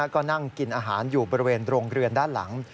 ก็นั่งกินอาหารอยู่บริเวณโรงเรือนด้านหลัง